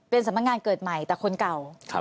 เป็นสำนักงานเกิดใหม่แต่คนเก่า